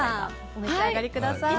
お召し上がりください。